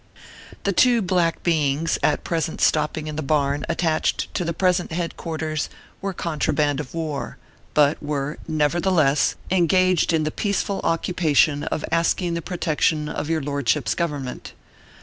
The two black beings, at present stopping in the barn attached to the present head quarters, were contraband of war ; but were, nevertheless, engaged 182 ORPHEUS C. KERR PAPERS. in the peaceful occupation of asking the protection of your lordship s government.